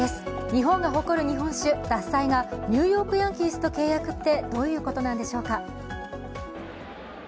日本が誇る日本酒、獺祭がニューヨーク・ヤンキースと契約ってどういうことなのでしょうか。